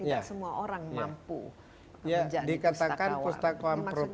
tidak semua orang mampu menjadi pustakawan